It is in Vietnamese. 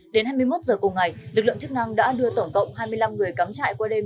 đến hai mươi một h cùng ngày lực lượng chức năng đã đưa tổng cộng hai mươi năm người cắm chạy qua đêm